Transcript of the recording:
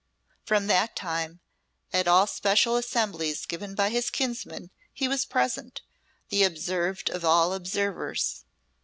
From that time, at all special assemblies given by his kinsman he was present, the observed of all observers.